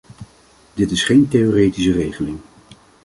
Dit is geen theoretische regeling.